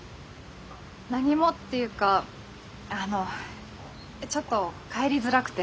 何もっていうかあのちょっと帰りづらくて。